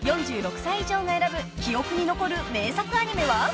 ［４６歳以上が選ぶ記憶に残る名作アニメは］